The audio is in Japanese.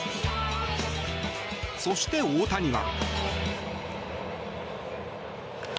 そして、大谷は。